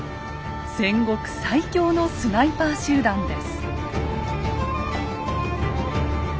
戦国最強のスナイパー集団です。